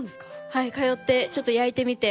はい通ってちょっと焼いてみて。